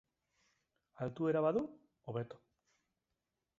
Altuera badu, hobeto.